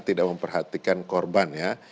tidak memperhatikan korban ya